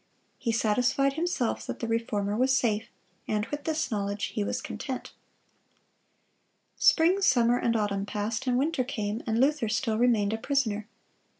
He satisfied himself that the Reformer was safe, and with this knowledge he was content. Spring, summer, and autumn passed, and winter came, and Luther still remained a prisoner.